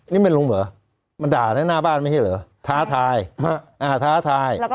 นี่มันลุมเหรอมันด่านั่นหน้าบ้านไม่ใช่เหรอท้าทายอ่าท้าทาย